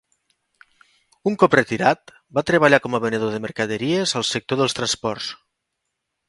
Un cop retirat, va treballar com a venedor de mercaderies al sector dels transports.